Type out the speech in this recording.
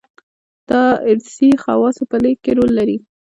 دارثي خواصو په لېږد کې رول لري.